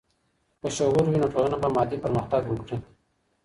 که شعور وي، نو ټولنه به مادي پرمختګ وکړي.